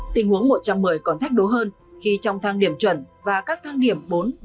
tình huống một trăm một mươi còn thách đố hơn khi trong thang điểm chuẩn và các thang điểm bốn ba hai một